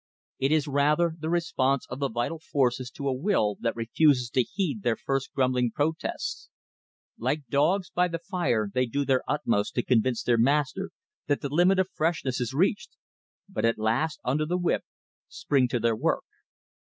It is rather the response of the vital forces to a will that refuses to heed their first grumbling protests. Like dogs by the fire they do their utmost to convince their master that the limit of freshness is reached; but at last, under the whip, spring to their work.